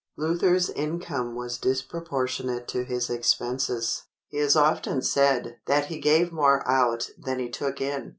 Luther's income was disproportionate to his expenses. He has often said "that he gave more out than he took in."